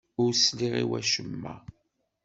Ur sliɣ i wacemma.